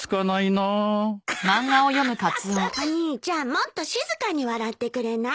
もっと静かに笑ってくれない？